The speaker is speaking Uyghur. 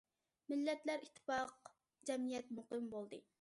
مىللەتلەر ئىتتىپاق، جەمئىيەت مۇقىم بولدى.